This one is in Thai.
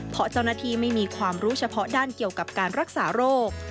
เพราะเจ้าหน้าที่ไม่มีความรู้เฉพาะด้านเกี่ยวกับการรักษาโรค